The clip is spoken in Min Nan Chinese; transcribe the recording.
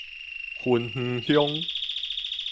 芬園鄉